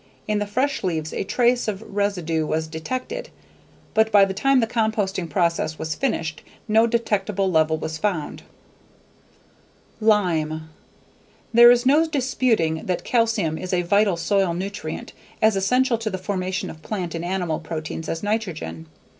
In the fresh leaves a trace of ... residue was detected, but by the time the composting process was finished, no detectable level was found." Lime. There is no disputing that calcium is a vital soil nutrient as essential to the formation of plant and animal proteins as nitrogen.